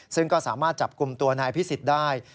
ซึ่งก็สามารถจับกลุ่มตัวนายพิสิทธิ์ได้